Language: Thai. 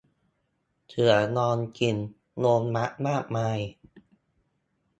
เสือนอนกิน โบนัสมากมาย